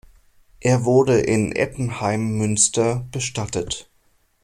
Er wurde in Ettenheimmünster bestattet.